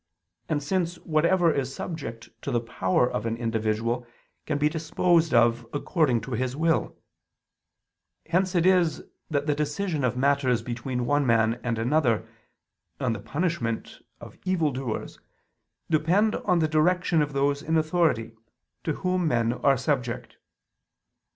And since whatever is subject to the power of an individual can be disposed of according to his will, hence it is that the decision of matters between one man and another, and the punishment of evildoers, depend on the direction of those in authority, to whom men are subject.